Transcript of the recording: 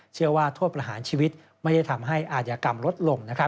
เชื่อว่าโทษประหารชีวิตไม่ได้ทำให้อาธิกรรมลดลง